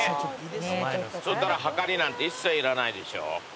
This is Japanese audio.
そしたらはかりなんて一切いらないでしょ？